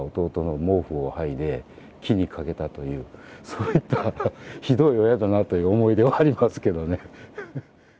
そういったひどい親だなという思い出はありますけどね。